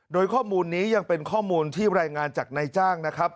โดยข้อมูลนี้ยังเป็นข้อมูลที่รายงานจากนายจ้างนะครับ